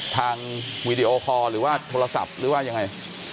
วีดีโอคอร์หรือว่าโทรศัพท์หรือว่ายังไง